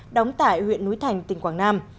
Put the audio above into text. đóng tại huyện núi thành tỉnh quảng nam